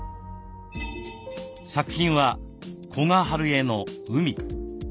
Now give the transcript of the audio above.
作品は古賀春江の「海」。